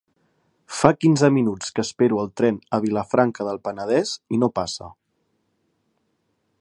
Fa quinze minuts que espero el tren a Vilafranca del Penedès i no passa.